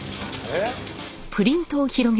えっ？